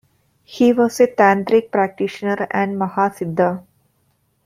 He was a tantric practitioner and mahasiddha.